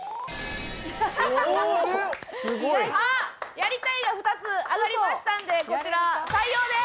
「やりたい」が２つ上がりましたんでこちら採用です。